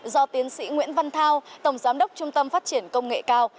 do tiến sĩ nguyễn văn thao tổng giám đốc trung tâm phát triển công nghệ cao